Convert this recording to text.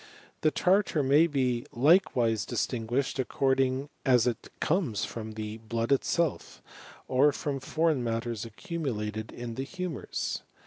The tartar may likewise distinguished according as it comes from blood itself, or from foreign matters accumulated the humours.